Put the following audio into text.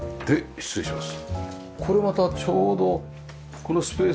失礼します。